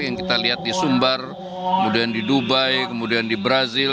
yang kita lihat di sumbar kemudian di dubai kemudian di brazil